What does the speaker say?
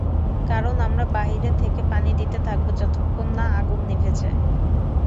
কারন আমরা বাইরে থেকে পানি দিতে থাকব যতক্ষণ না আগুন নিভে যায়।